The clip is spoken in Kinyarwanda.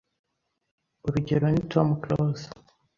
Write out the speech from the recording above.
Urugero ni Tom Close